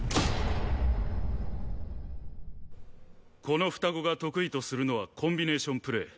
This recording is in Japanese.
この双子が得意とするのはコンビネーションプレー。